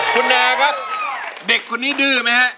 คุณแนครับเด็กคนนี้ดื้อไหมฮะ